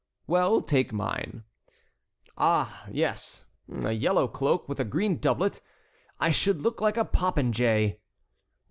"Well, take mine." "Ah, yes,—a yellow cloak with a green doublet! I should look like a popinjay!"